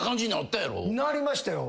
なりましたよ。